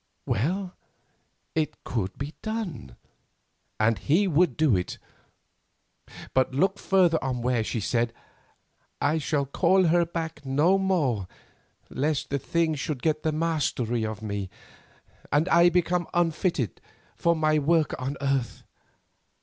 Well, it could be done, and he would do it. But look further on where she said: "I shall call her back no more, lest the thing should get the mastery of me, and I become unfitted for my work on earth.